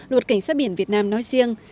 luật cảnh sát biển việt nam nói riêng